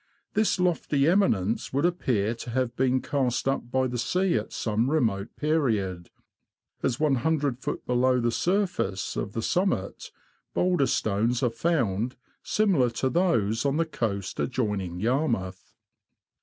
This lofty eminence would appear to have been cast up by the sea at some remote period, as looft. below the surface of the summit, boulder stones are found similar to those on the coast adjoining Yarmouth.